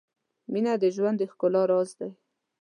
• مینه د ژوند د ښکلا راز دی.